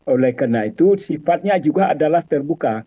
oleh karena itu sifatnya juga adalah terbuka